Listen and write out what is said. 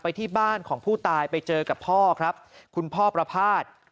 ที่บ้านของผู้ตายไปเจอกับพ่อครับคุณพ่อประพาท